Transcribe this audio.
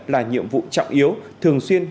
là nhiệm vụ trọng yếu thường xuyên